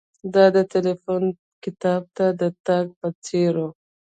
دا د ټیلیفون کتاب کې د تګ په څیر و